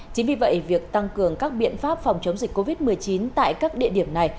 chính vì vậy việc tăng cường các biện pháp phòng chống dịch covid một mươi chín tại các địa điểm này